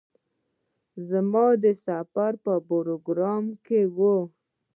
زما د سفر په پروگرام کې وه.